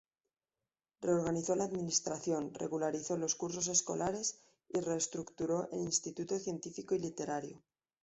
Reorganizó la administración, regularizó los cursos escolares, y reestructuró el Instituto Científico y Literario.